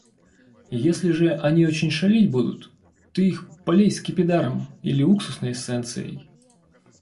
Если же они очень шалить будут, ты их полей скипидаром или уксусной эссенцией.